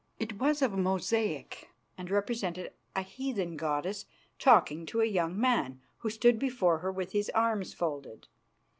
It was of mosaic, and represented a heathen goddess talking to a young man, who stood before her with his arms folded.